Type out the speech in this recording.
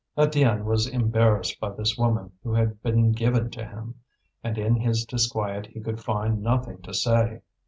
Étienne was embarrassed by this woman who had been given to him, and in his disquiet he could find nothing to say.